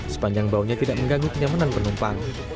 sepanjang baunya tidak mengganggu kenyamanan penumpang